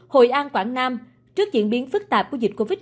hội an quảng nam trước diễn biến phức tạp của dịch covid một mươi